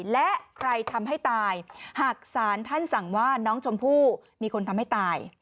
และใครทำให้ตายหากศาลท่านสั่งว่าน้องชมพู่มีคนทำให้ตาย